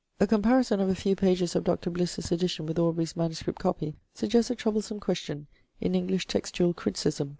A comparison of a few pages of Dr. Bliss's edition with Aubrey's MS. copy suggests a troublesome question in English textual criticism.